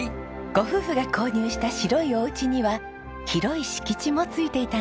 ご夫婦が購入した白いお家には広い敷地も付いていたんですよ。